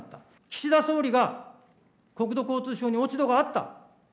岸田総理が国土交通省に落ち度があった。